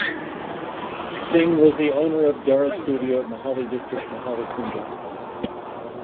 Singh was the owner of Dara Studio at Mohali, District Mohali, Punjab.